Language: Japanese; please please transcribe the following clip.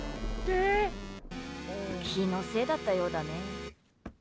気のせいだったようだね。